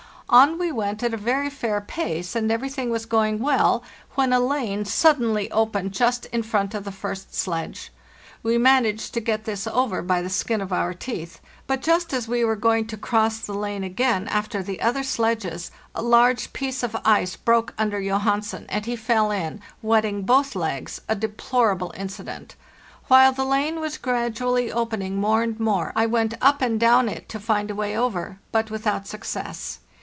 On we went at a very fair pace, and everything was going well, when a lane suddenly opened just in front of the first sledge. We managed to get this over by the skin of our teeth; but just as we were going to cross the lane again after the other sledges, a large piece of ice broke under Johansen, and he fell in, wet ting both legs —a deplorable incident. While the lane was gradually opening more and more, I went up and down it to find a way over, but without success.